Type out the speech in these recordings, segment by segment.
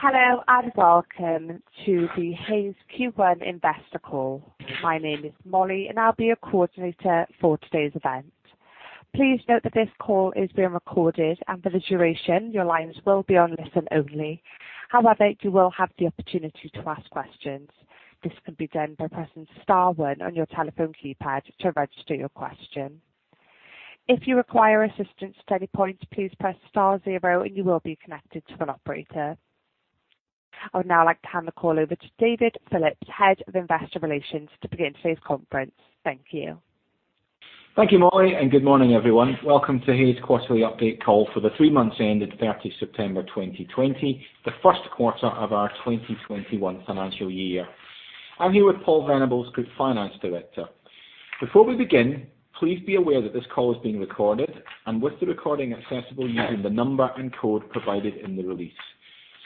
Hello, and welcome to the Hays Q1 investor call. My name is Molly, and I'll be your coordinator for today's event. Please note that this call is being recorded, and the duration you're lines will be listen-only. Have the opportunity to ask question, this will be done by pressing star one on your telephone keypad to register your question. If you require assistance, kindly press star zero, and you will be connected to an operator. Let me will now call on to David Phillips, Head, Investor Relations. Thank you. Thank you, Molly. Good morning, everyone. Welcome to Hays quarterly update call for the three months ending September 30, 2020, the first quarter of our 2021 financial year. I'm here with Paul Venables, Group Finance Director. Before we begin, please be aware that this call is being recorded, with the recording accessible using the number and code provided in the release.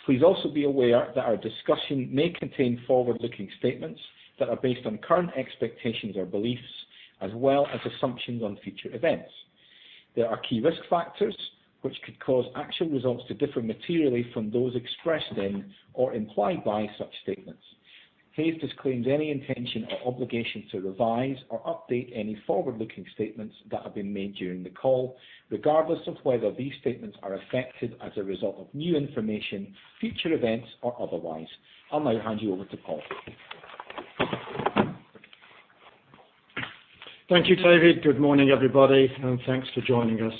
Please also be aware that our discussion may contain forward-looking statements that are based on current expectations or beliefs, as well as assumptions on future events. There are key risk factors which could cause actual results to differ materially from those expressed then or implied by such statements. Hays disclaims any intention or obligation to revise or update any forward-looking statements that have been made during the call, regardless of whether these statements are affected as a result of new information, future events, or otherwise. I'll now hand you over to Paul. Thank you, David. Good morning, everybody, and thanks for joining us.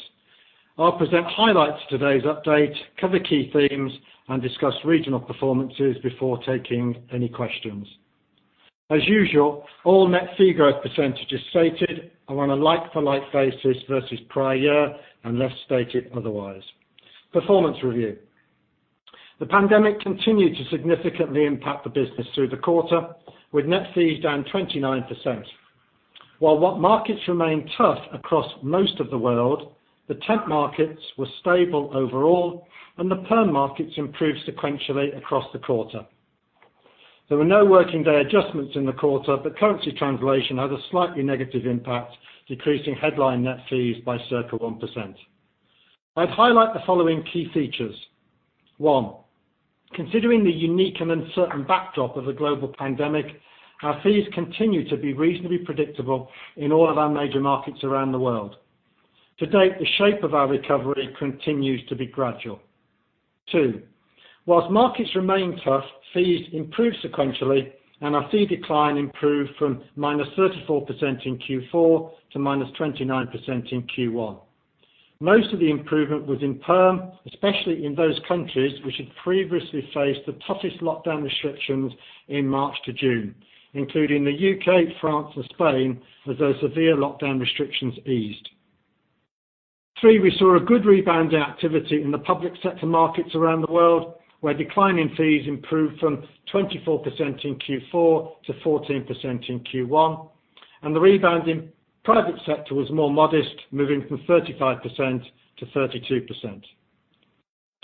I'll present highlights of today's update, cover key themes, and discuss regional performances before taking any questions. As usual, all net fee growth percentages stated are on a like-for-like basis versus prior year, unless stated otherwise. Performance review. The pandemic continued to significantly impact the business through the quarter, with net fees down 29%. While what markets remained tough across most of the world, the temp markets were stable overall, and the perm markets improved sequentially across the quarter. There were no working day adjustments in the quarter, but currency translation had a slightly negative impact, decreasing headline net fees by circa 1%. I'd highlight the following key features. One, considering the unique and uncertain backdrop of the global pandemic, our fees continue to be reasonably predictable in all of our major markets around the world. To date, the shape of our recovery continues to be gradual. Two, while markets remain tough, fees improved sequentially, our fee decline improved from -34% in Q4 to -29% in Q1. Most of the improvement was in perm, especially in those countries which had previously faced the toughest lockdown restrictions in March to June, including the U.K., France, and Spain, as their severe lockdown restrictions eased. Three, we saw a good rebound in activity in the public sector markets around the world, where declining fees improved from 24% in Q4 to 14% in Q1. The rebound in private sector was more modest, moving from 35% to 32%.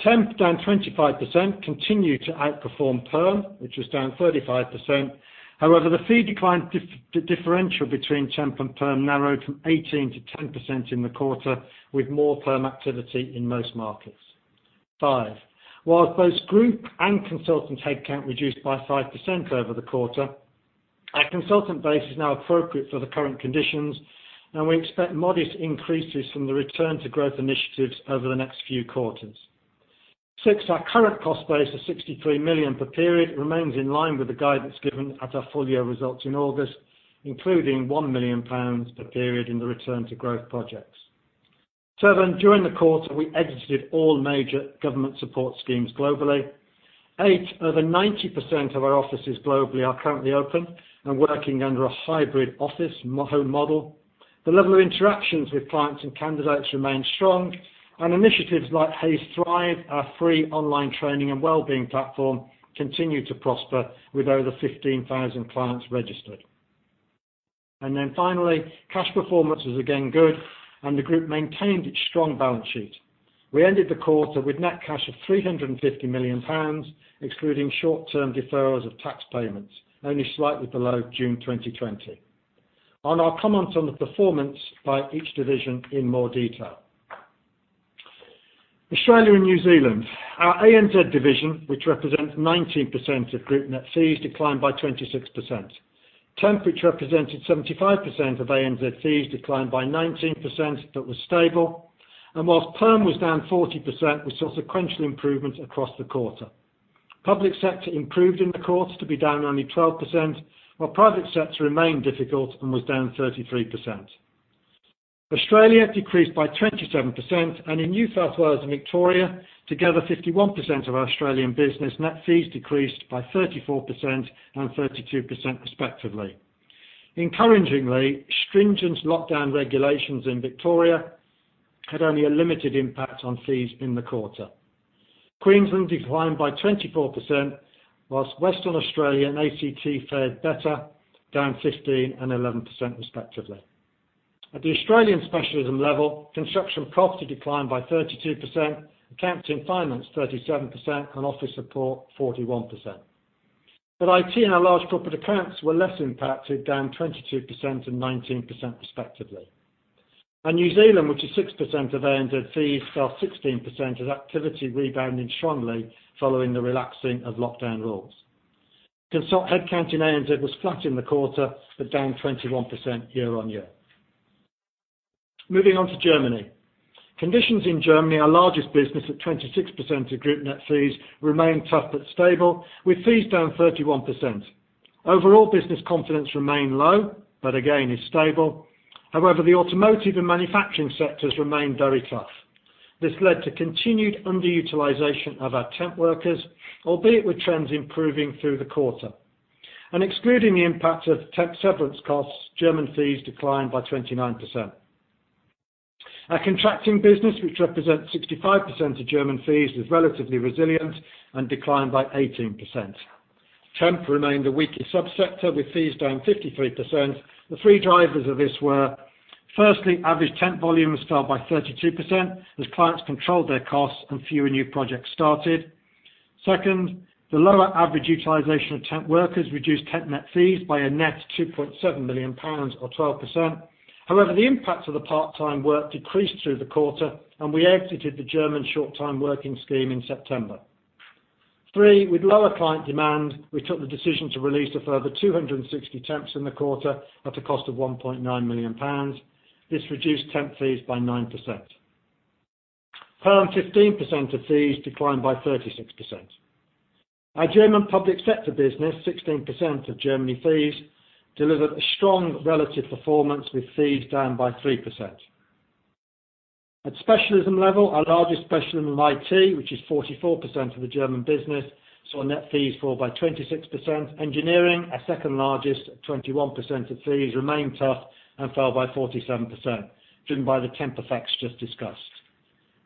Temp, down 25%, continued to outperform perm, which was down 35%. However, the fee decline differential between temp and perm narrowed from 18% to 10% in the quarter, with more perm activity in most markets. Five, whilst both group and consultant headcount reduced by 5% over the quarter, our consultant base is now appropriate for the current conditions, and we expect modest increases from the return to growth initiatives over the next few quarters. Six, our current cost base of 63 million per period remains in line with the guidance given at our full-year results in August, including 1 million pounds per period in the return to growth projects. Seven, during the quarter, we exited all major government support schemes globally. Eight, over 90% of our offices globally are currently open and working under a hybrid office model. The level of interactions with clients and candidates remains strong, and initiatives like Hays Thrive, our free online training and wellbeing platform, continue to prosper with over 15,000 clients registered. Finally, cash performance was again good, and the group maintained its strong balance sheet. We ended the quarter with net cash of 350 million pounds, excluding short-term deferrals of tax payments, only slightly below June 2020. I'll now comment on the performance by each division in more detail. Australia and New Zealand. Our ANZ division, which represents 19% of group net fees, declined by 26%. Temp, which represented 75% of ANZ fees, declined by 19% but was stable. Whilst perm was down 40%, we saw sequential improvements across the quarter. Public sector improved in the quarter to be down only 12%, while private sector remained difficult and was down 33%. Australia decreased by 27%, and in New South Wales and Victoria, together 51% of our Australian business net fees decreased by 34% and 32%, respectively. Encouragingly, stringent lockdown regulations in Victoria had only a limited impact on fees in the quarter. Queensland declined by 24%, while Western Australia and A.C.T. fared better, down 15% and 11% respectively. At the Australian specialism level, construction and property declined by 32%, accounting and finance 37%, and office support 41%. IT and our large corporate accounts were less impacted, down 22% and 19% respectively. New Zealand, which is 6% of ANZ fees, fell 16% as activity rebounding strongly following the relaxing of lockdown rules. Consultant headcount in ANZ was flat in the quarter, but down 21% year-on-year. Moving on to Germany. Conditions in Germany, our largest business at 26% of group net fees, remain tough but stable, with fees down 31%. Overall business confidence remain low but again is stable. However, the automotive and manufacturing sectors remain very tough. This led to continued underutilization of our temp workers, albeit with trends improving through the quarter. Excluding the impact of temp severance costs, German fees declined by 29%. Our contracting business, which represents 65% of German fees, was relatively resilient and declined by 18%. Temp remained the weakest sub-sector, with fees down 53%. The three drivers of this were, firstly, average temp volumes fell by 32% as clients controlled their costs and fewer new projects started. Second, the lower average utilization of temp workers reduced temp net fees by a net 2.7 million pounds or 12%. However, the impact of the part-time work decreased through the quarter, and we exited the German short-time working scheme in September. Three, with lower client demand, we took the decision to release a further 260 temps in the quarter at a cost of 1.9 million pounds. This reduced temp fees by 9%. Perm, 15% of fees declined by 36%. Our German public sector business, 16% of Germany fees, delivered a strong relative performance with fees down by 3%. At specialism level, our largest specialism in IT, which is 44% of the German business, saw net fees fall by 26%. Engineering, our second largest at 21% of fees, remained tough and fell by 47%, driven by the temp effects just discussed.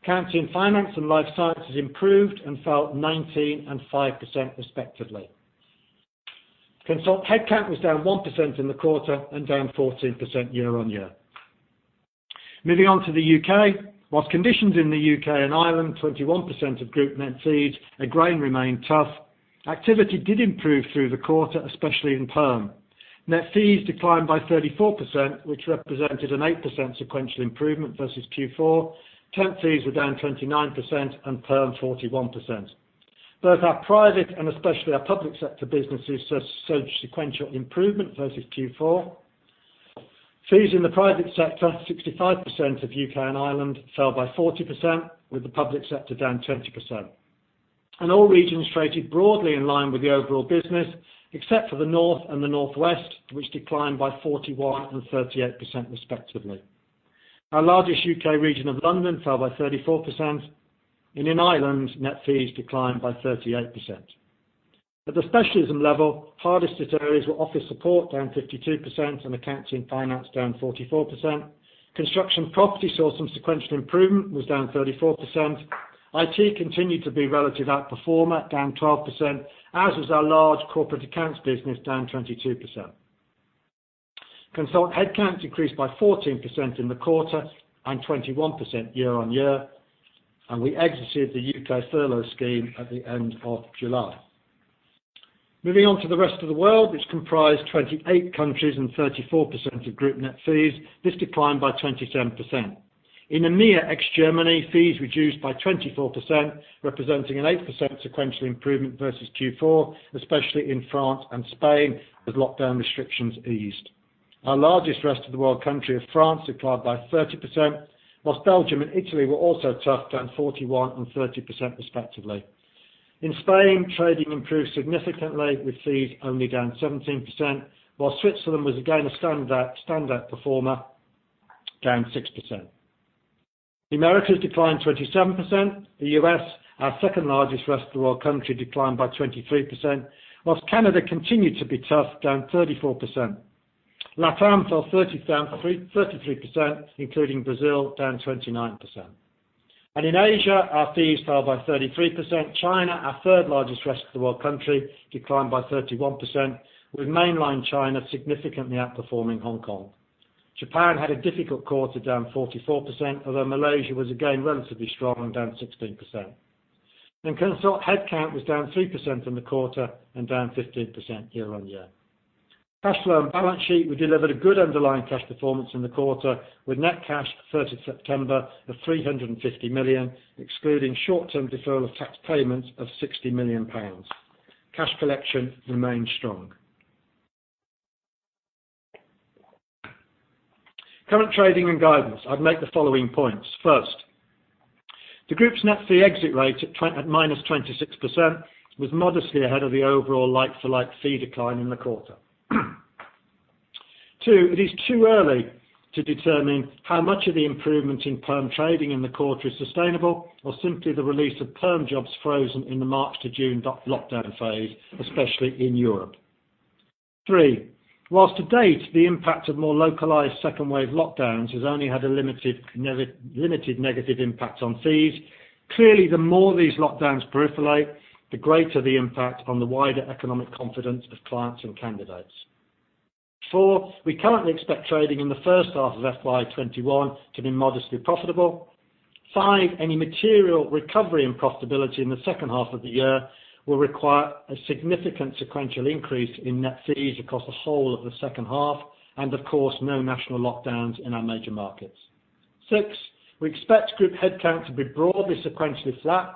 Accounting, finance, and life sciences improved and fell 19% and 5%, respectively. Consultant headcount was down 1% in the quarter and down 14% year-on-year. Moving on to the U.K., whilst conditions in the U.K. and Ireland, 21% of group net fees, again remained tough, activity did improve through the quarter, especially in perm. Net fees declined by 34%, which represented an 8% sequential improvement versus Q4. Temp fees were down 29% and perm 41%. Both our private and especially our public sector businesses saw sequential improvement versus Q4. Fees in the private sector, 65% of U.K. and Ireland, fell by 40%, with the public sector down 20%. All regions traded broadly in line with the overall business, except for the North and the Northwest, which declined by 41% and 38%, respectively. Our largest U.K. region of London, fell by 34%. In Ireland, net fees declined by 38%. At the specialism level, hardest hit areas were office support down 52% and accounting, finance down 44%. Construction & Property saw some sequential improvement, was down 34%. IT continued to be relative outperformer down 12%, as was our large corporate accounts business down 22%. Consultant headcount decreased by 14% in the quarter and 21% year-on-year. We exited the U.K. furlough scheme at the end of July. Moving on to the rest of the world, which comprised 28 countries and 34% of group net fees, this declined by 27%. In EMEA, ex-Germany, fees reduced by 24%, representing an 8% sequential improvement versus Q4, especially in France and Spain, as lockdown restrictions eased. Our largest rest of the world country of France, declined by 30%, whilst Belgium and Italy were also tough, down 41% and 30% respectively. In Spain, trading improved significantly with fees only down 17%, while Switzerland was again a standout performer, down 6%. The Americas declined 27%. The U.S., our second-largest rest-of-the-world country, declined by 23%, whilst Canada continued to be tough, down 34%. LATAM fell 33%, including Brazil, down 29%. In Asia, our fees fell by 33%. China, our third-largest rest-of-the-world country, declined by 31%, with mainland China significantly outperforming Hong Kong. Japan had a difficult quarter down 44%, although Malaysia was again relatively strong and down 16%. Consultant headcount was down 3% in the quarter and down 15% year-on-year. Cash flow and balance sheet. We delivered a good underlying cash performance in the quarter, with net cash at September 30 of 350 million, excluding short-term deferral of tax payments of 60 million pounds. Cash collection remained strong. Current trading and guidance. I'd make the following points. First, the group's net fee exit rate at -26% was modestly ahead of the overall like-for-like fee decline in the quarter. Two, it is too early to determine how much of the improvement in perm trading in the quarter is sustainable or simply the release of perm jobs frozen in the March to June lockdown phase, especially in Europe. Three, whilst to date, the impact of more localized second wave lockdowns has only had a limited negative impact on fees. Clearly, the more these lockdowns proliferate, the greater the impact on the wider economic confidence of clients and candidates. Four, we currently expect trading in the first half of FY 2021 to be modestly profitable. Five, any material recovery and profitability in the second half of the year will require a significant sequential increase in net fees across the whole of the second half, and of course, no national lockdowns in our major markets. Six, we expect group headcount to be broadly sequentially flat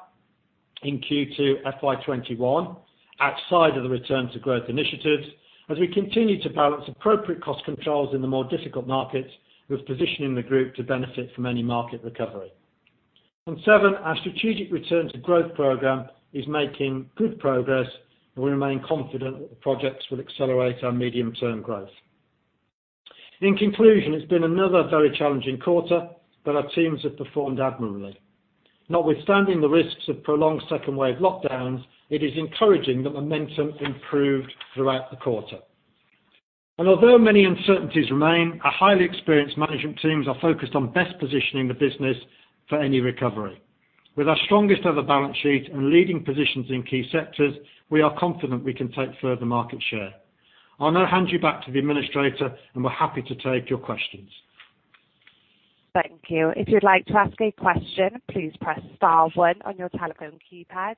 in Q2 FY 2021, outside of the return to growth initiatives, as we continue to balance appropriate cost controls in the more difficult markets with positioning the group to benefit from any market recovery. Seven, our Strategic Return to Growth Program is making good progress, and we remain confident that the projects will accelerate our medium-term growth. In conclusion, it's been another very challenging quarter, but our teams have performed admirably. Notwithstanding the risks of prolonged second-wave lockdowns, it is encouraging that momentum improved throughout the quarter. Although many uncertainties remain, our highly experienced management teams are focused on best positioning the business for any recovery. With our strongest ever balance sheet and leading positions in key sectors, we are confident we can take further market share. I will now hand you back to the administrator, and we are happy to take your questions. Thank you. If you'd like to ask a question, please press star one on your telephone keypad.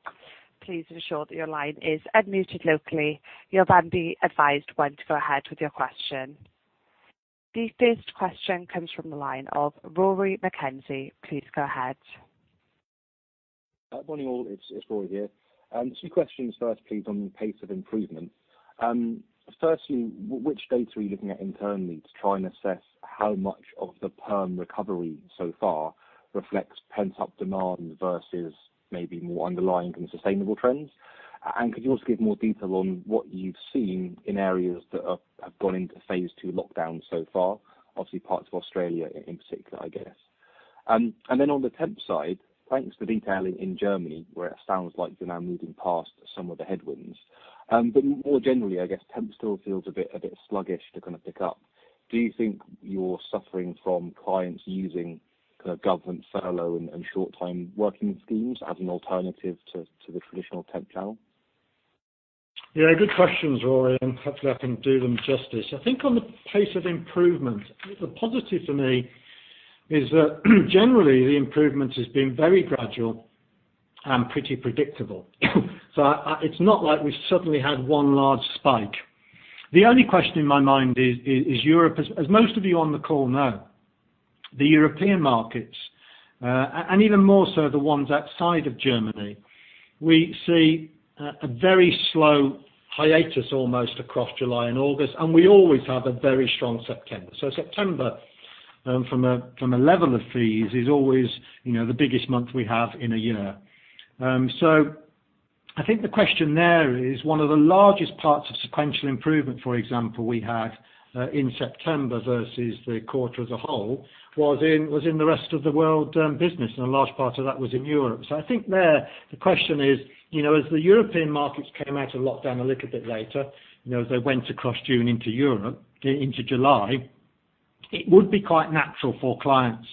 Please ensure that your line is unmuted locally. You'll then be advised when to go ahead with your question. The first question comes from the line of Rory McKenzie. Please go ahead. Morning, all. It's Rory here. Two questions first, please, on pace of improvement. Firstly, which data are you looking at internally to try and assess how much of the perm recovery so far reflects pent-up demand versus maybe more underlying and sustainable trends? Could you also give more detail on what you've seen in areas that have gone into phase II lockdown so far? Obviously, parts of Australia in particular, I guess. On the temp side, thanks for detailing in Germany, where it sounds like you're now moving past some of the headwinds. More generally, I guess temp still feels a bit sluggish to pick up. Do you think you're suffering from clients using government furlough and short-time working schemes as an alternative to the traditional temp channel? Good questions, Rory, and hopefully I can do them justice. I think on the pace of improvement, I think the positive for me is that generally, the improvement has been very gradual and pretty predictable. It's not like we've suddenly had one large spike. The only question in my mind is Europe. As most of you on the call know, the European markets, and even more so the ones outside of Germany, we see a very slow hiatus almost across July and August, and we always have a very strong September. September, from a level of fees, is always the biggest month we have in a year. I think the question there is one of the largest parts of sequential improvement, for example, we had in September versus the quarter as a whole was in the rest of the world business, and a large part of that was in Europe. I think there the question is, as the European markets came out of lockdown a little bit later, as they went across June into July, it would be quite natural for clients,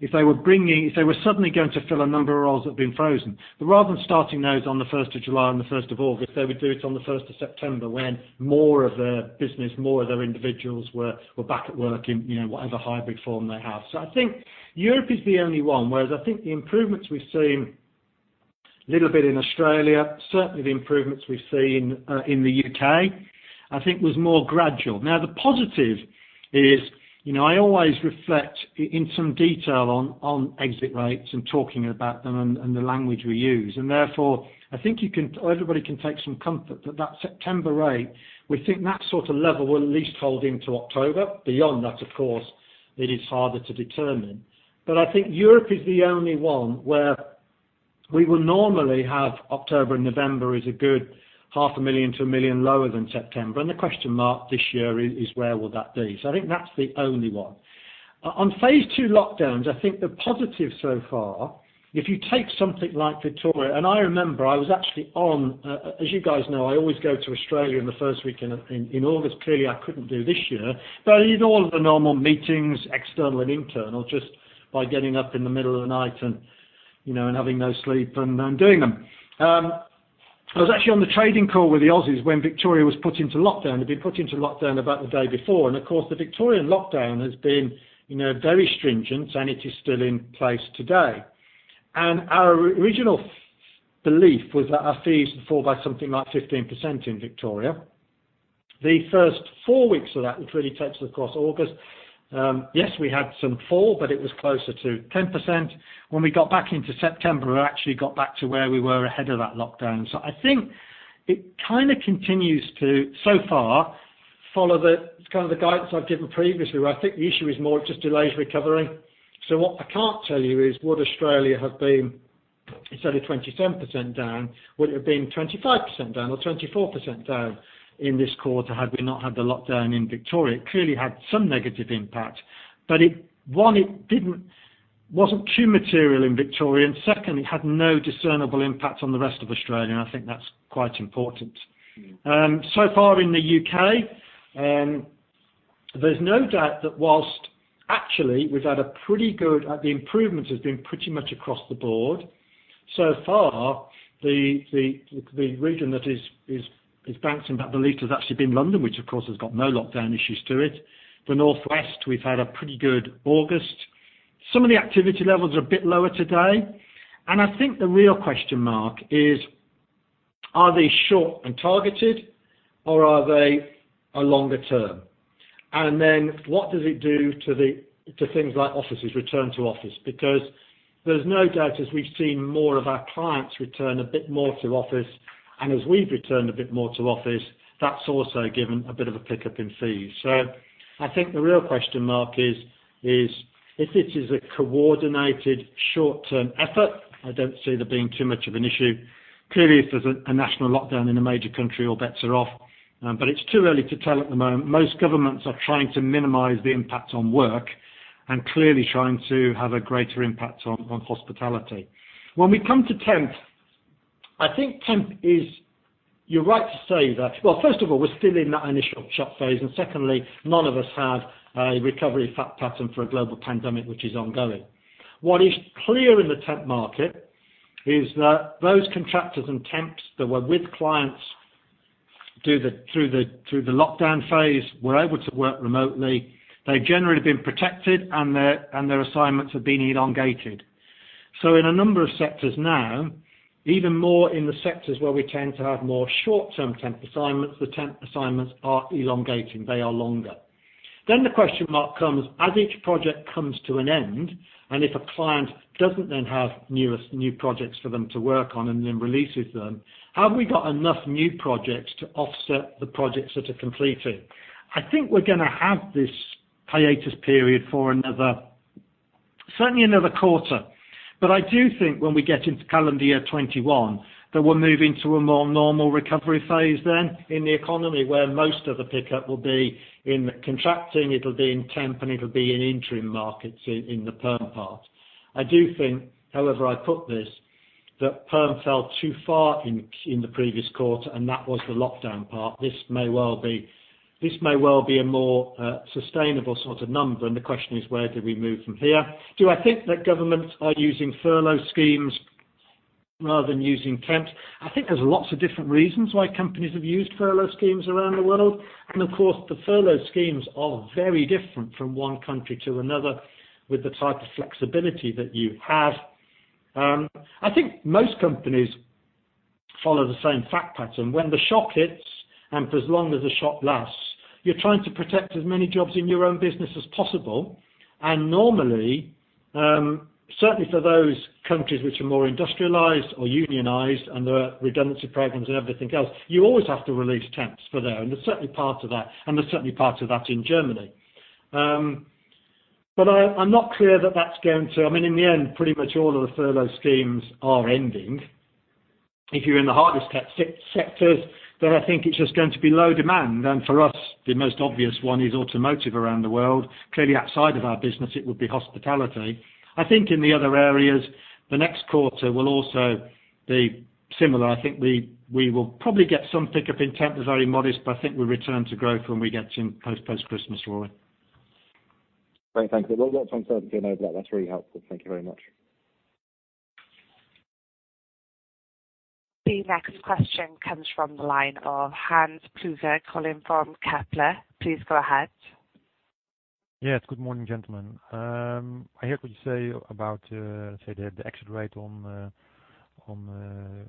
if they were suddenly going to fill a number of roles that have been frozen, rather than starting those on the July 1 and the August 1, they would do it on the September 1 when more of their business, more of their individuals were back at work in whatever hybrid form they have. I think Europe is the only one, whereas I think the improvements we've seen a little bit in Australia, certainly, the improvements we've seen in the U.K., I think was more gradual. The positive is I always reflect in some detail on exit rates and talking about them and the language we use. Therefore, I think everybody can take some comfort that the September rate, we think that sort of level will at least hold into October. Beyond that, of course, it is harder to determine. I think Europe is the only one where we will normally have October and November is a good GBP half a million to 1 million lower than September. The question mark this year is where will that be? I think that's the only one. On phase II lockdowns, I think the positive so far, if you take something like Victoria, as you guys know, I always go to Australia in the first week in August. Clearly, I couldn't do this year, but I did all of the normal meetings, external and internal, just by getting up in the middle of the night and having no sleep and doing them. I was actually on the trading call with the Aussies when Victoria was put into lockdown. They'd been put into lockdown about the day before. Of course, the Victorian lockdown has been very stringent, and it is still in place today. Our original belief was that our fees would fall by something like 15% in Victoria. The first four weeks of that, which really takes us across August, yes, we had some fall, but it was closer to 10%. When we got back into September, we actually got back to where we were ahead of that lockdown. I think it kind of continues to, so far, follow the guidance I've given previously, where I think the issue is more just delays recovering. What I can't tell you is would Australia have been, it's only 27% down, would it have been 25% down or 24% down in this quarter had we not had the lockdown in Victoria? It clearly had some negative impact, but, one, it wasn't too material in Victoria, and second, it had no discernible impact on the rest of Australia. I think that's quite important. In the U.K., there's no doubt that whilst actually the improvement has been pretty much across the board. The region that is bouncing back the least has actually been London, which of course has got no lockdown issues to it. The Northwest, we've had a pretty good August. Some of the activity levels are a bit lower today, and I think the real question mark is, are they short and targeted, or are they a longer-term? What does it do to things like offices, return to office? There's no doubt as we've seen more of our clients return a bit more to office, and as we've returned a bit more to office, that's also given a bit of a pickup in fees. I think the real question mark is if it is a coordinated short-term effort, I don't see there being too much of an issue. Clearly, if there's a national lockdown in a major country, all bets are off. It's too early to tell at the moment. Most governments are trying to minimize the impact on work and clearly trying to have a greater impact on hospitality. When we come to temp, you're right to say Well, first of all, we're still in that initial shock phase, and secondly, none of us have a recovery fact pattern for a global pandemic which is ongoing. What is clear in the temp market is that those contractors and temps that were with clients through the lockdown phase were able to work remotely. They've generally been protected, and their assignments have been elongated. In a number of sectors now, even more in the sectors where we tend to have more short-term temp assignments, the temp assignments are elongating. They are longer. The question mark comes, as each project comes to an end, and if a client doesn't then have new projects for them to work on and then releases them, have we got enough new projects to offset the projects that are completing? I think we're going to have this hiatus period for certainly another quarter. I do think when we get into calendar year 2021, that we'll move into a more normal recovery phase then in the economy, where most of the pickup will be in contracting, it'll be in temp, and it'll be in interim markets in the perm part. I do think, however, I put this, that perm fell too far in the previous quarter, and that was the lockdown part. This may well be a more sustainable sort of number. The question is, where do we move from here? Do I think that governments are using furlough schemes rather than using temps? I think there are lots of different reasons why companies have used furlough schemes around the world, and of course, the furlough schemes are very different from one country to another, with the type of flexibility that you have. I think most companies follow the same fact pattern. When the shock hits, and for as long as the shock lasts, you're trying to protect as many jobs in your own business as possible. Normally, certainly for those countries which are more industrialized or unionized and there are redundancy programs and everything else, you always have to release temps for them, and there's certainly part of that in Germany. I'm not clear that that's going to. Pretty much all of the furlough schemes are ending. If you're in the hardest sectors, I think it's just going to be low demand. For us, the most obvious one is automotive around the world. Clearly, outside of our business, it would be hospitality. I think in the other areas, the next quarter will also be similar. I think we will probably get some pickup in temp. It's very modest, I think we'll return to growth when we get to post-Christmas, Rory. Great. Thanks. A lot of uncertainty, I know, but that's really helpful. Thank you very much. The next question comes from the line of Hans Pluijgers calling from Kepler. Please go ahead. Yes. Good morning, gentlemen. I heard what you say about, let's say, the exit rate on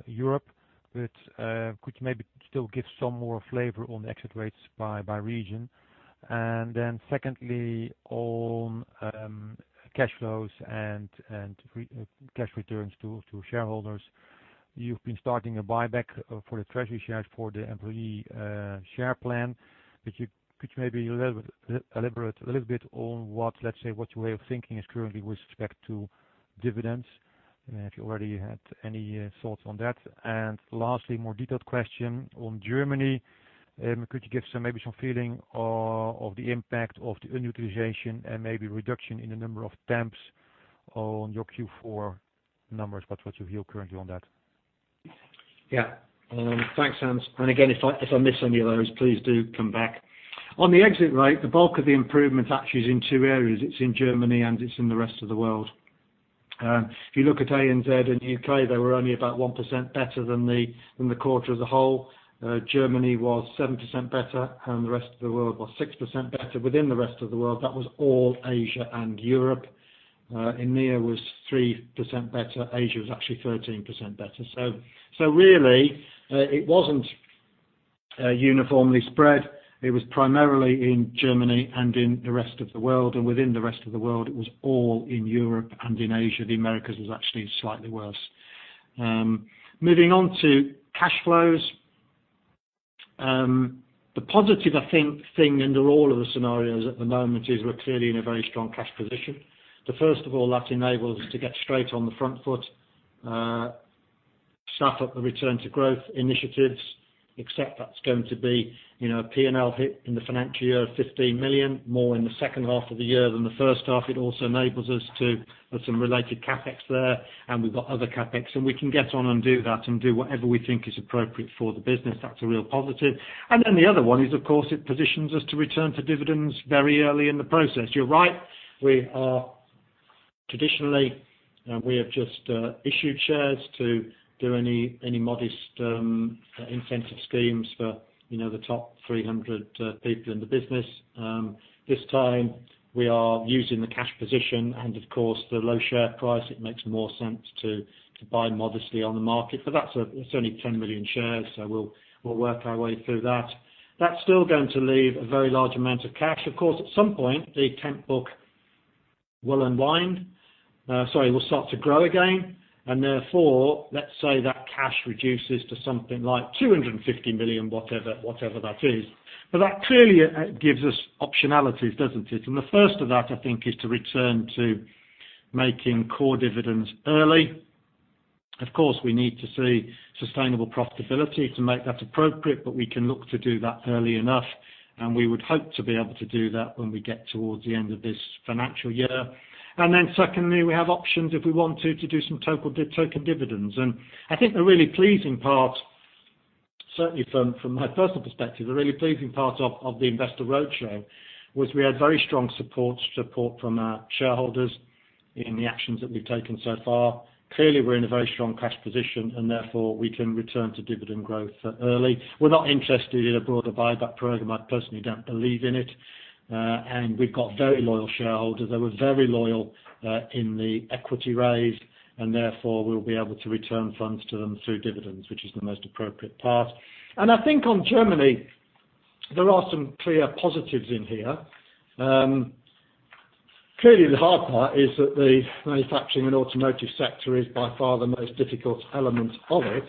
Europe, but could you maybe still give some more flavor on the exit rates by region? Secondly, on cash flows and cash returns to shareholders. You've been starting a buyback for the treasury shares for the employee share plan. Could you maybe elaborate a little bit on what your way of thinking is currently with respect to dividends, if you already had any thoughts on that? Lastly, more detailed question on Germany. Could you give maybe some feeling of the impact of the underutilization and maybe reduction in the number of temps on your Q4 numbers? What's your view currently on that? Yeah. Thanks, Hans. Again, if I miss any of those, please do come back. On the exit rate, the bulk of the improvement actually is in two areas. It's in Germany and it's in the rest of the world. If you look at ANZ and U.K., they were only about 1% better than the quarter as a whole. Germany was 7% better, and the rest of the world was 6% better. Within the rest of the world, that was all Asia and Europe. EMEA was 3% better. Asia was actually 13% better. Really, it wasn't uniformly spread. It was primarily in Germany and in the rest of the world. Within the rest of the world, it was all in Europe and in Asia. The Americas was actually slightly worse. Moving on to cash flows. The positive, I think, thing under all of the scenarios at the moment is we're clearly in a very strong cash position. First of all, that enables us to get straight on the front foot, step up the return to growth initiatives, except that's going to be a P&L hit in the financial year of 15 million, more in the second half of the year than the first half. It also enables us to put some related CapEx there, and we've got other CapEx, and we can get on and do that and do whatever we think is appropriate for the business. That's a real positive. The other one is, of course, it positions us to return to dividends very early in the process. You're right. Traditionally, we have just issued shares to do any modest incentive schemes for the top 300 people in the business. This time, we are using the cash position and of course the low share price. It makes more sense to buy modestly on the market. That's only 10 million shares. We'll work our way through that. That's still going to leave a very large amount of cash. Of course, at some point, the temp book will unwind. Sorry, will start to grow again. Therefore, let's say that cash reduces to something like 250 million, whatever that is. That clearly gives us optionalities, doesn't it? The first of that, I think, is to return to making core dividends early. Of course, we need to see sustainable profitability to make that appropriate, but we can look to do that early enough, and we would hope to be able to do that when we get towards the end of this financial year. Secondly, we have options if we want to do some token dividends. I think the really pleasing part, certainly from my personal perspective, the really pleasing part of the investor roadshow was we had very strong support from our shareholders in the actions that we've taken so far. Clearly, we're in a very strong cash position and therefore, we can return to dividend growth early. We're not interested in a broader buyback program. I personally don't believe in it. We've got very loyal shareholders. They were very loyal in the equity raise, and therefore, we'll be able to return funds to them through dividends, which is the most appropriate path. I think on Germany, there are some clear positives in here. Clearly, the hard part is that the manufacturing and automotive sector is by far the most difficult element of it.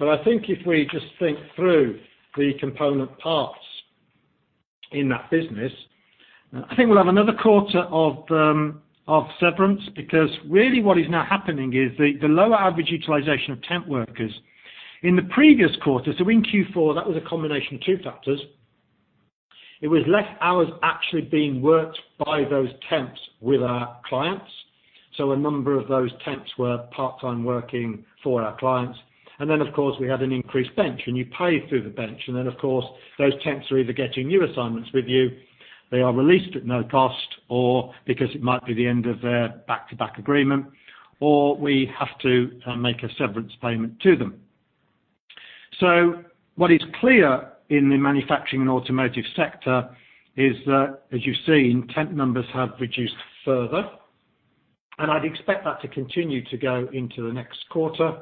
I think if we just think through the component parts in that business, I think we'll have another quarter of severance. Because really what is now happening is the lower average utilization of temp workers. In the previous quarter, so in Q4, that was a combination of two factors. It was less hours actually being worked by those temps with our clients. So a number of those temps were part-time working for our clients. Then, of course, we had an increased bench, and you pay through the bench. Then, of course, those temps are either getting new assignments with you, they are released at no cost, or because it might be the end of their back-to-back agreement, or we have to make a severance payment to them. What is clear in the manufacturing and automotive sector is that, as you've seen, temp numbers have reduced further, and I'd expect that to continue to go into the next quarter.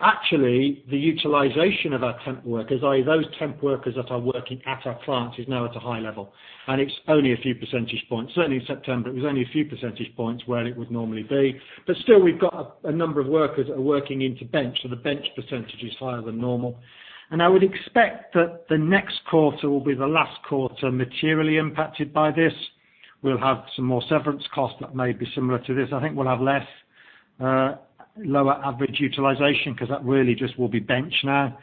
Actually, the utilization of our temp workers, i.e., those temp workers that are working at our clients, is now at a high level, and it's only a few percentage points. Certainly, in September, it was only a few percentage points where it would normally be. Still we've got a number of workers that are working into bench, so the bench percentage is higher than normal. I would expect that the next quarter will be the last quarter materially impacted by this. We'll have some more severance costs that may be similar to this. I think we'll have less, lower average utilization because that really just will be bench now.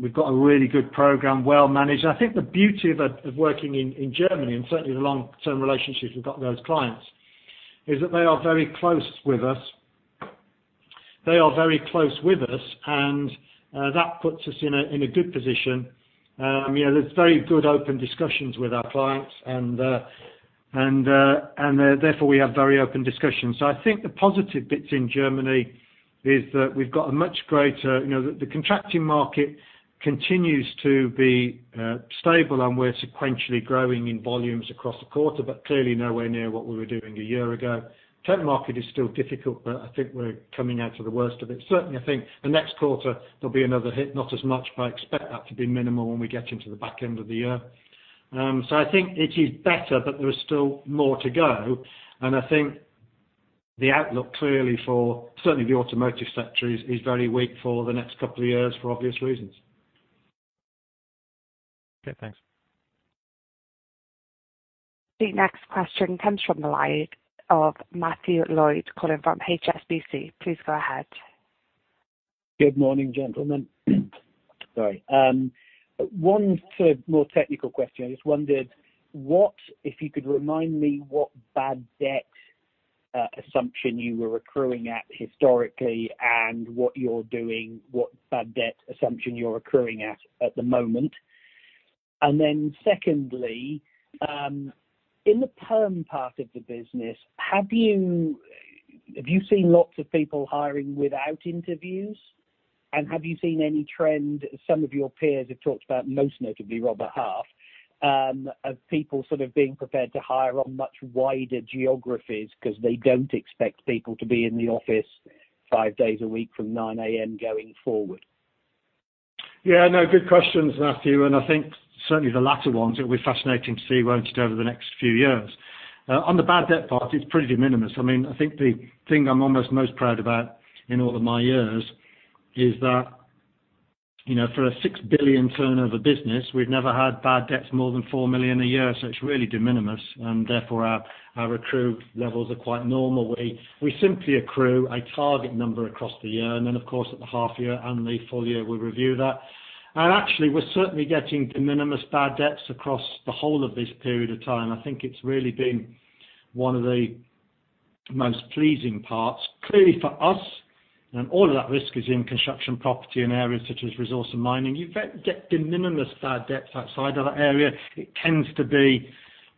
We've got a really good program, well-managed. I think the beauty of working in Germany and certainly the long-term relationships we've got with those clients is that they are very close with us. They are very close with us and that puts us in a good position. There are very good open discussions with our clients and therefore, we have very open discussions. I think the positive bits in Germany is that we've got. The contracting market continues to be stable and we're sequentially growing in volumes across the quarter, but clearly nowhere near what we were doing a year ago. Temp market is still difficult, but I think we're coming out of the worst of it. Certainly, I think the next quarter there'll be another hit, not as much, but I expect that to be minimal when we get into the back end of the year. I think it is better, but there is still more to go, and I think the outlook clearly for certainly the automotive sector is very weak for the next couple of years for obvious reasons. Okay, thanks. The next question comes from the line of Matthew Lloyd calling from HSBC. Please go ahead. Good morning, gentlemen. Sorry. One more technical question. I just wondered what, if you could remind me what bad debt assumption you were accruing at historically and what you're doing, what bad debt assumption you're accruing at the moment. Then secondly, in the perm part of the business, have you seen lots of people hiring without interviews? Have you seen any trend, some of your peers have talked about, most notably Robert Half, of people sort of being prepared to hire on much wider geographies because they don't expect people to be in the office five days a week from 9 A.M. going forward? Yeah, no, good questions, Matthew. I think certainly the latter one, it'll be fascinating to see, won't it, over the next few years. On the bad debt part, it's pretty de minimis. I think the thing I'm almost most proud about in all of my years is that, for a 6 billion turnover business, we've never had bad debts more than 4 million a year, it's really de minimis, therefore our accrued levels are quite normal. We simply accrue a target number across the year. Then of course, at the half-year and the full year, we review that. Actually, we're certainly getting de minimis bad debts across the whole of this period of time. I think it's really been one of the most pleasing parts. Clearly for us. All of that risk is in construction, property, and areas such as resource and mining. You get de minimis bad debts outside of that area. It tends to be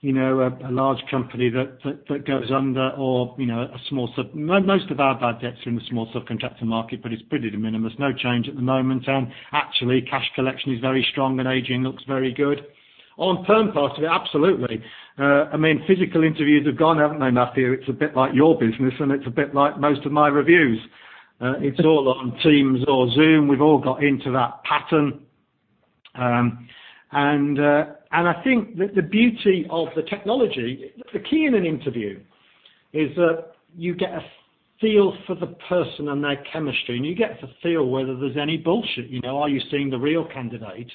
a large company that goes under or a small sub. Most of our bad debts are in the small subcontractor market, but it's pretty de minimis. No change at the moment. Actually, cash collection is very strong, and aging looks very good. On perm part of it, absolutely. Physical interviews have gone, haven't they, Matthew? It's a bit like your business, it's a bit like most of my reviews. It's all on Teams or Zoom. We've all got into that pattern. I think that the beauty of the technology, the key in an interview, is that you get a feel for the person and their chemistry, and you get to feel whether there's any bullshit. Are you seeing the real candidate?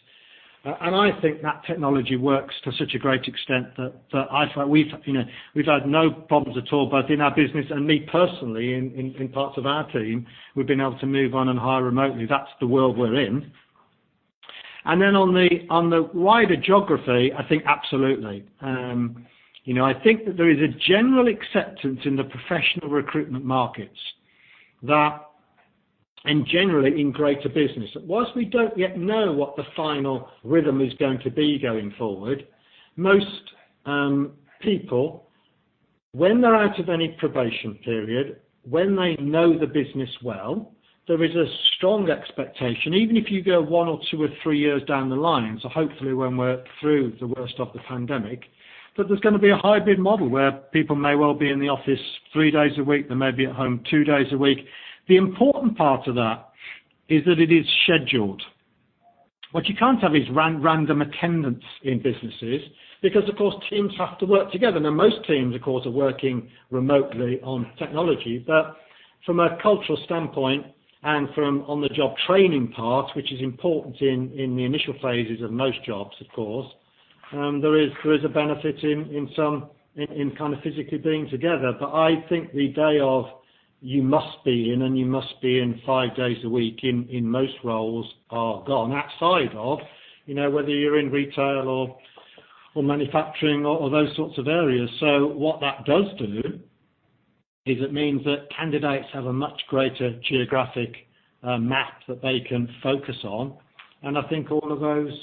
I think that technology works to such a great extent that we've had no problems at all, both in our business and me personally, in parts of our team. We've been able to move on and hire remotely. That's the world we're in. Then on the wider geography, I think absolutely. I think that there is a general acceptance in the professional recruitment markets that, and generally in greater business, that whilst we don't yet know what the final rhythm is going to be going forward, most people, when they're out of any probation period, when they know the business well, there is a strong expectation, even if you go one or two or three years down the line, so hopefully when we're through the worst of the pandemic, that there's going to be a hybrid model where people may well be in the office three days a week, they may be at home two days a week. The important part of that is that it is scheduled. What you can't have is random attendance in businesses because, of course, Teams have to work together. Now, most teams, of course, are working remotely on technology. From a cultural standpoint and from on-the-job training part, which is important in the initial phases of most jobs, of course, there is a benefit in kind of physically being together. I think the day of you must be in, and you must be in five days a week in most roles are gone, outside of whether you're in retail or manufacturing or those sorts of areas. What that does do is it means that candidates have a much greater geographic map that they can focus on, and I think all of those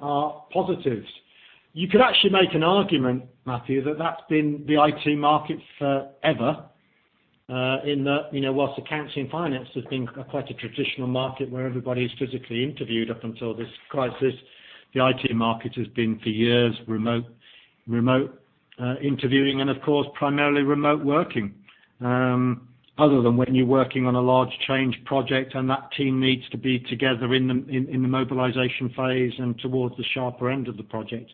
are positives. You could actually make an argument, Matthew, that that's been the IT market forever, in that whilst accounting and finance has been quite a traditional market where everybody's physically interviewed up until this crisis, the IT market has been for years remote interviewing and of course, primarily remote working, other than when you're working on a large change project and that team needs to be together in the mobilization phase and towards the sharper end of the project.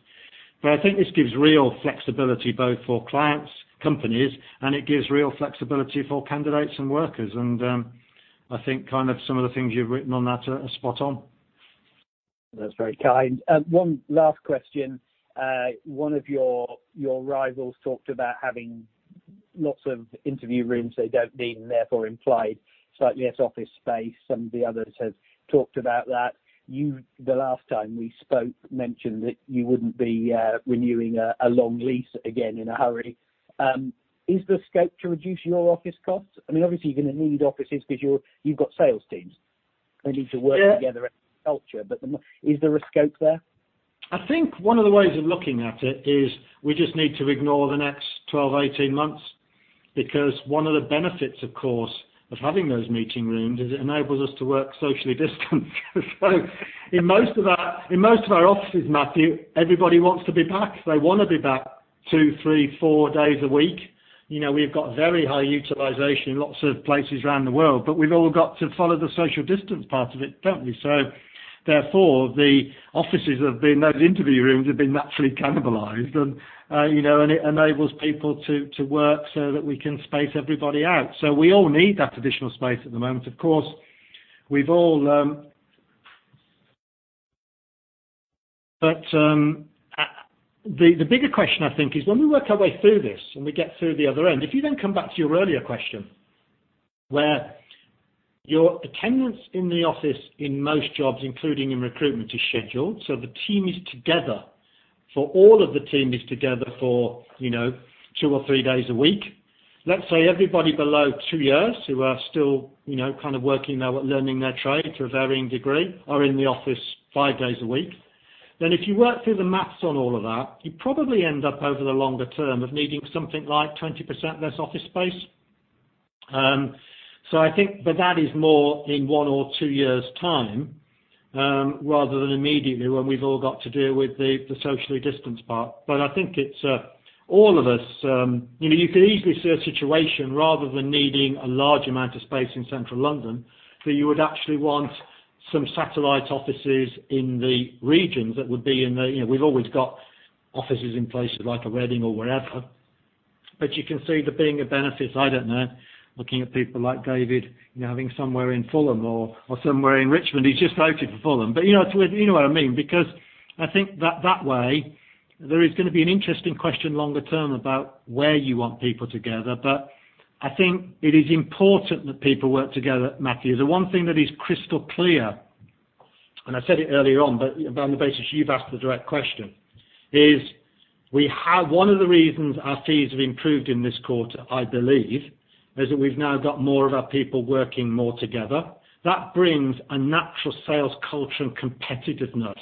I think this gives real flexibility both for clients, companies, and it gives real flexibility for candidates and workers, and I think some of the things you've written on that are spot on. That's very kind. One last question. One of your rivals talked about having lots of interview rooms they don't need and therefore implied slightly less office space. Some of the others have talked about that. You, the last time we spoke, mentioned that you wouldn't be renewing a long lease again in a hurry. Is there scope to reduce your office costs? I mean, obviously, you're going to need offices because you've got sales teams. They need to work together. Yeah culture, but is there a scope there? I think one of the ways of looking at it is we just need to ignore the next 12, 18 months because one of the benefits, of course, of having those meeting rooms is it enables us to work socially distanced. In most of our offices, Matthew, everybody wants to be back. They want to be back two, three, four days a week. We've got very high utilization in lots of places around the world, but we've all got to follow the social distance part of it, don't we? Therefore, the offices, those interview rooms have been naturally cannibalized, and it enables people to work so that we can space everybody out. We all need that additional space at the moment. The bigger question, I think, is when we work our way through this and we get through the other end, if you come back to your earlier question where your attendance in the office in most jobs, including in recruitment, is scheduled. The team is together for two or three days a week. Let's say everybody below two years who are still kind of working, learning their trade to a varying degree, are in the office five days a week. If you work through the math on all of that, you probably end up over the longer term of needing something like 20% less office space. I think, but that is more in one or two years' time, rather than immediately when we've all got to deal with the socially distance part. I think it's all of us, you could easily see a situation rather than needing a large amount of space in Central London, that you would actually want some satellite offices in the regions that would be in the We've always got offices in places like Reading or wherever. You can see there being a benefit, I don't know, looking at people like David, having somewhere in Fulham or somewhere in Richmond. He's just voted for Fulham, you know what I mean, because I think that way, there is going to be an interesting question longer term about where you want people together. I think it is important that people work together, Matthew. The one thing that is crystal clear. I said it earlier on, but on the basis you've asked the direct question is one of the reasons our fees have improved in this quarter, I believe, is that we've now got more of our people working more together. That brings a natural sales culture and competitiveness.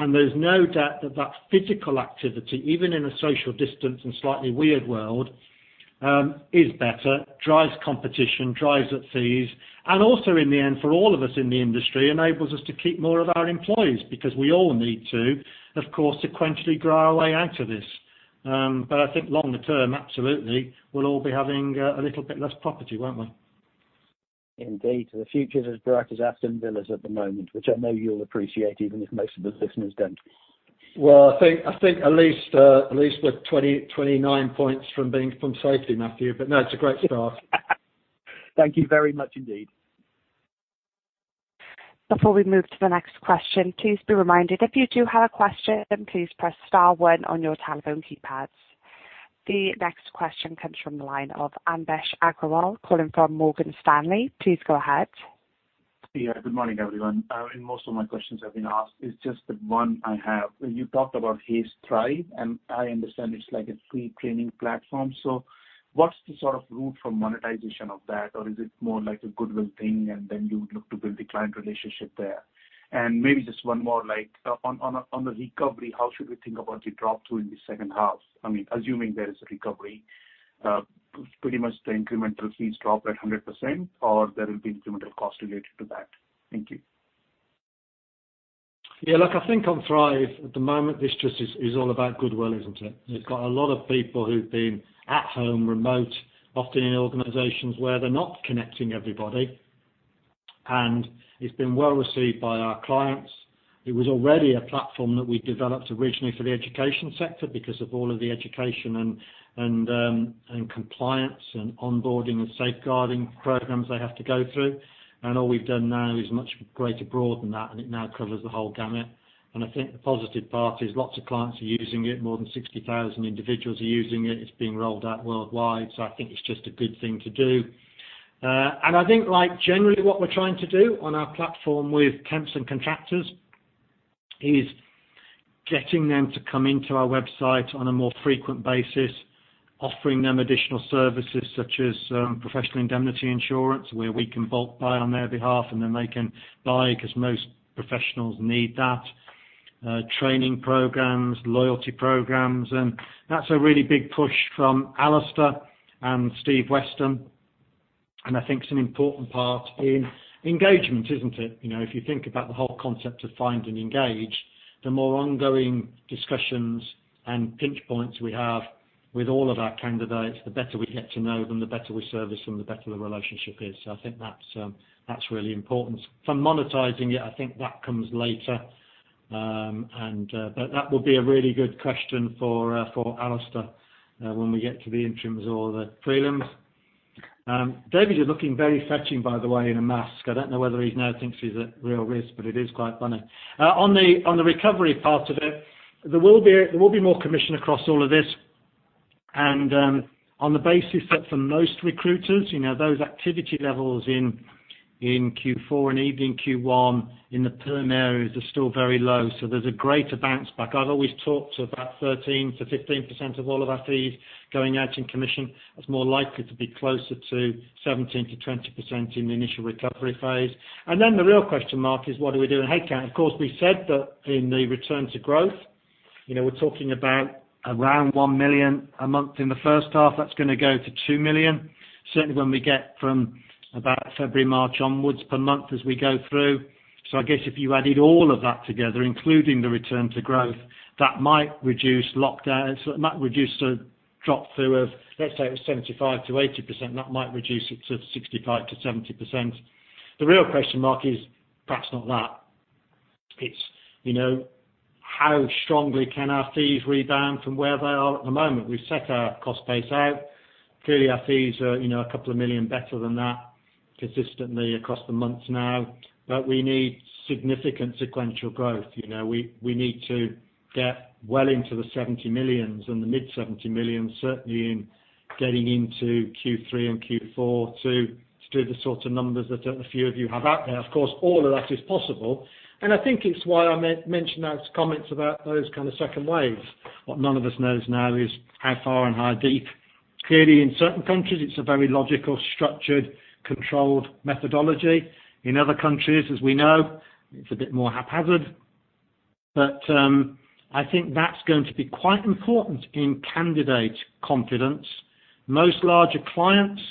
There's no doubt that physical activity, even in a socially distanced and slightly weird world, is better, drives competition, drives up fees, and also in the end, for all of us in the industry, enables us to keep more of our employees because we all need to, of course, sequentially grow our way out of this. I think longer term, absolutely, we'll all be having a little bit less property, won't we? Indeed. The future is as bright as Aston Villa's at the moment, which I know you'll appreciate, even if most of the listeners don't. Well, I think at least we're 29 points from safety, Matthew. No, it's a great start. Thank you very much indeed. Before we move to the next question, please be reminded, if you do have a question, please press star one on your telephone keypads. The next question comes from the line of Amvesh Agrawal calling from Morgan Stanley. Please go ahead. Yeah. Good morning, everyone. Most of my questions have been asked. It's just the one I have. You talked about Hays Thrive. I understand it's like a free training platform. What's the sort of route for monetization of that? Is it more like a goodwill thing? You would look to build the client relationship there? Maybe just one more, on the recovery, how should we think about the drop through in the second half? Assuming there is a recovery. Pretty much the incremental fees drop at 100%. There will be incremental cost related to that. Thank you. Look, I think on Hays Thrive, at the moment, this just is all about goodwill, isn't it? You've got a lot of people who've been at home, remote, often in organizations where they're not connecting everybody. It's been well-received by our clients. It was already a platform that we developed originally for the education sector because of all of the education and compliance and onboarding and safeguarding programs they have to go through. All we've done now is much greater broad than that, and it now covers the whole gamut. I think the positive part is lots of clients are using it. More than 60,000 individuals are using it. It's being rolled out worldwide. I think it's just a good thing to do. I think generally what we're trying to do on our platform with temps and contractors is getting them to come into our website on a more frequent basis, offering them additional services such as professional indemnity insurance, where we can bulk buy on their behalf, and then they can buy, because most professionals need that. Training programs, loyalty programs, and that's a really big push from Alistair and Steve Weston, and I think it's an important part in engagement, isn't it? If you think about the whole concept of Find & Engage, the more ongoing discussions and pinch points we have with all of our candidates, the better we get to know them, the better we service them, the better the relationship is. I think that's really important. From monetizing it, I think that comes later. That would be a really good question for Alistair when we get to the interims or the prelims. David, you're looking very fetching, by the way, in a mask. I don't know whether he now thinks he's at real risk, it is quite funny. On the recovery part of it, there will be more commission across all of this. On the basis that for most recruiters, those activity levels in Q4 and even Q1 in the perm areas are still very low. There's a greater bounce back. I've always talked about 13%-15% of all of our fees going out in commission. That's more likely to be closer to 17%-20% in the initial recovery phase. The real question mark is, what do we do in headcount? Of course, we said that in the return to growth, we're talking about around 1 million a month in the first half. That's going to go to 2 million, certainly when we get from about February, March onwards per month as we go through. I guess if you added all of that together, including the return to growth, it might reduce the drop through of, let's say it was 75%-80%, and that might reduce it to 65%-70%. The real question mark is perhaps not that. It's how strongly can our fees rebound from where they are at the moment. We've set our cost base out. Clearly, our fees are a couple of million better than that consistently across the months now. We need significant sequential growth. We need to get well into the 70 million and the mid 70 million, certainly in getting into Q3 and Q4 to do the sorts of numbers that a few of you have out there. Of course, all of that is possible. I think it's why I mentioned those comments about those kinds of second waves. What none of us knows now is how far and how deep. Clearly, in certain countries, it's a very logical, structured, controlled methodology. In other countries, as we know, it's a bit more haphazard. I think that's going to be quite important in candidate confidence. Most larger clients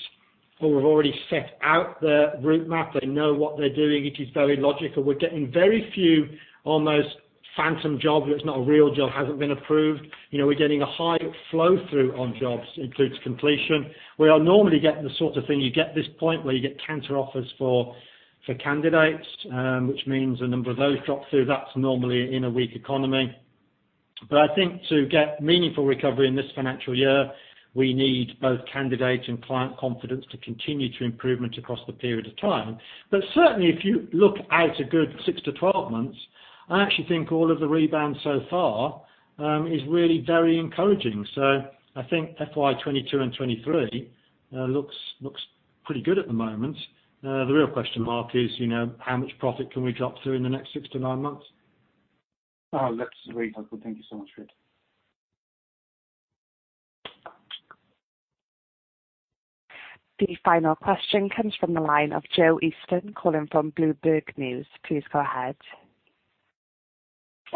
who have already set out their route map, they know what they're doing. It is very logical. We're getting very few almost phantom jobs, where it's not a real job, hasn't been approved. We're getting a high flow through on jobs, includes completion. We are normally getting the sort of thing you get this point, where you get counter offers for candidates, which means a number of those drop through. I think to get meaningful recovery in this financial year, we need both candidate and client confidence to continue to improvement across the period of time. Certainly, if you look out a good 6-12 months, I actually think all of the rebound so far is really very encouraging. I think FY 2022 and 2023 look pretty good at the moment. The real question mark is, how much profit can we drop through in the next six to nine months? Oh, that's great. Thank you so much for it. The final question comes from the line of Joe Easton calling from Bloomberg News. Please go ahead.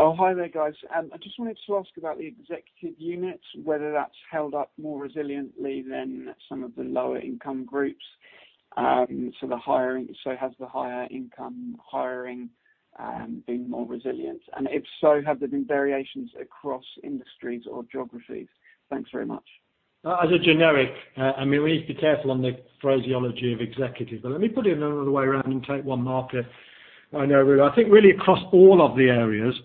Oh, hi there, guys. I just wanted to ask about the executive unit, whether that's held up more resiliently than some of the lower-income groups. Has the higher-income hiring been more resilient? If so, have there been variations across industries or geographies? Thanks very much. As a generic, we need to be careful on the phraseology of executive. Let me put it another way around and take one market. I know, really, I think really across all of the areas.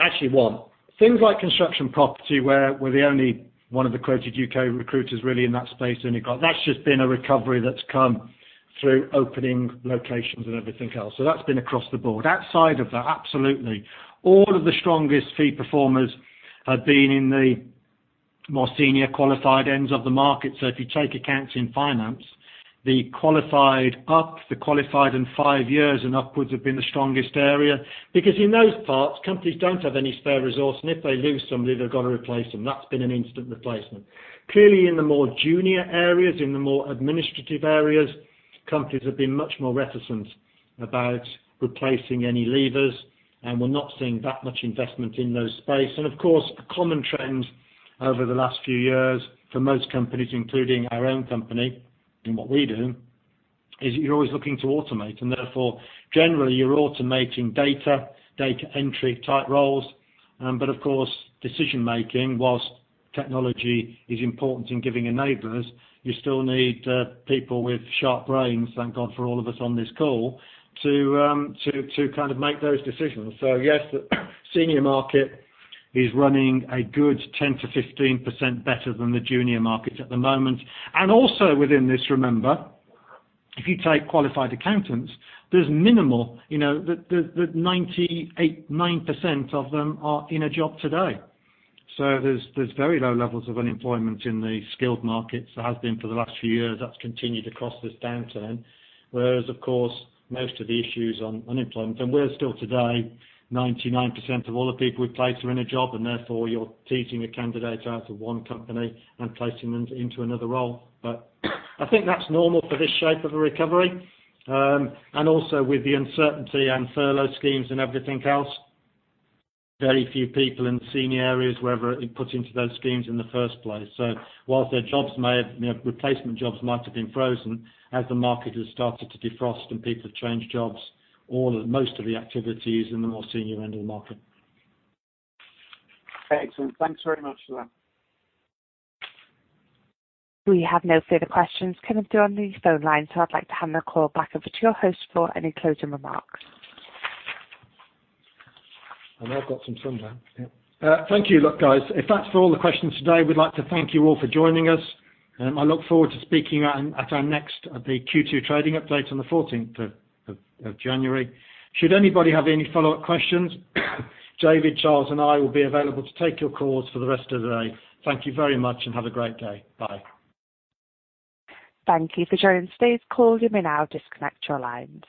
Actually, one thing like Construction & Property, where we're the only one of the quoted U.K. recruiters really in that space, only got that's just been a recovery that's come through opening locations and everything else. That's been across the board. Outside of that, absolutely, all of the strongest fee performers have been in the more senior qualified ends of the market. If you take Accountancy & Finance, the qualified up, the qualified and five years and upwards have been the strongest area, because in those parts, companies don't have any spare resources, and if they lose somebody, they've got to replace them. That's been an instant replacement. Clearly, in the more junior areas, in the more administrative areas, companies have been much more reticent about replacing any leavers, and we're not seeing that much investment in those spaces. Of course, a common trend over the last few years for most companies, including our own company in what we do, is you're always looking to automate, and therefore, generally, you're automating data entry-type roles. Of course, decision-making, whilst technology is important in giving enablers, you still need people with sharp brains, thank God for all of us on this call, to kind of make those decisions. Yes, the senior market is running a good 10%-15% better than the junior market at the moment. Also, within this, remember, if you take qualified accountants, there's minimal, the 98%, 99% of them are in a job today. There's very low levels of unemployment in the skilled markets. There has been for the last few years. That's continued across this downturn. Whereas, of course, most of the issues on unemployment, and we're still today, 99% of all the people we place are in a job, and therefore you're teasing a candidate out of one company and placing them into another role. I think that's normal for this shape of a recovery. Also, with the uncertainty and furlough schemes and everything else, very few people in senior areas were ever put into those schemes in the first place. Whilst replacement jobs might have been frozen as the market has started to defrost and people have changed jobs, all or most of the activity is in the more senior end of the market. Excellent. Thanks very much for that. We have no further questions coming through on the phone line, so I'd like to hand the call back over to your host for any closing remarks. I know I've got some sun lamp. Yeah. Thank you, look, guys. If that's all the questions today, we'd like to thank you all for joining us. I look forward to speaking at our next, the Q2 trading update on the 14th of January. Should anybody have any follow-up questions, David, Charles, and I will be available to take your calls for the rest of the day. Thank you very much and have a great day. Bye. Thank you for joining today's call. You may now disconnect your lines.